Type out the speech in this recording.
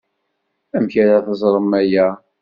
Amek ara teẓrem aya?